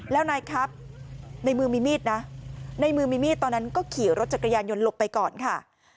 แล้วนายครับในมือมีมีดนะในมือมีมีดตอนนั้นก็ขี่รถจักรยานยนต์หลบไปก่อนค่ะ